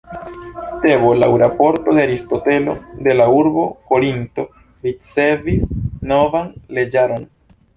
Tebo laŭ raporto de Aristotelo de la urbo Korinto ricevis novan leĝaron.